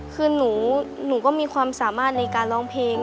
คือหนูก็มีความสามารถในการร้องเพลง